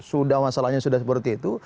sudah masalahnya sudah seperti itu